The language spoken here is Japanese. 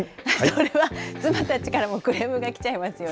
それは妻たちからもクレームが来ちゃいますよね。